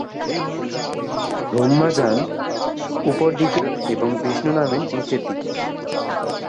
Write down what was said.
ব্রহ্মা যান উপর দিকে এবং বিষ্ণু নামেন নিচের দিকে।